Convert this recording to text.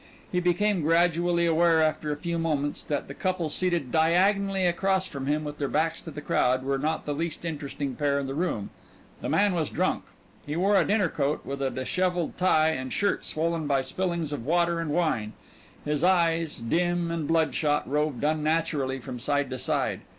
He became gradually aware, after a few moments, that the couple seated diagonally across from him with their backs to the crowd, were not the least interesting pair in the room. The man was drunk. He wore a dinner coat with a dishevelled tie and shirt swollen by spillings of water and wine. His eyes, dim and blood shot, roved unnaturally from side to side.